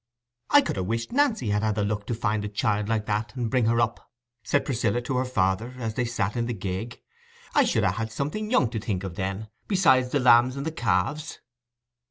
"I could ha' wished Nancy had had the luck to find a child like that and bring her up," said Priscilla to her father, as they sat in the gig; "I should ha' had something young to think of then, besides the lambs and the calves."